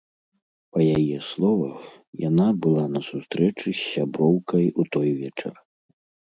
Па яе словах, яна была на сустрэчы з сяброўкай у той вечар.